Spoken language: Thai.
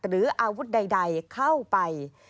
หรืออาวุธใดเข้าไป